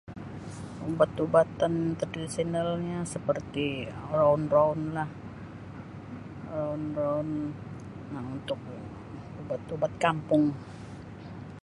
Ubat-ubatan tradisionalnyo seperti roun-rounlah roun roun um untuk ubat kampung.